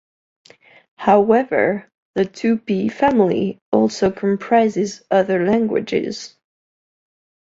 However, the Tupi family also comprises other languages.